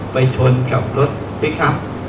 ไปชนกับรถพลิกอัพ